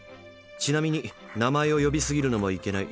ちなみに名前を呼びすぎるのもいけない。